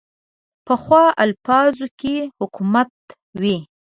پخو الفاظو کې حکمت وي